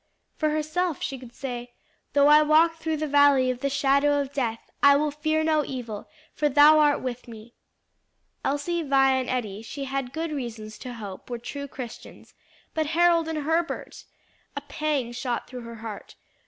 For herself she could say, "Though I walk through the valley of the shadow of death; I will fear no evil; for thou art with me." Elsie, Vi and Eddie she had good reasons to hope were true Christians; but Harold and Herbert? A pang shot through her heart.